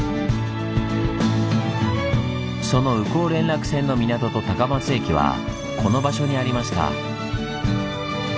その宇高連絡船の港と高松駅はこの場所にありました。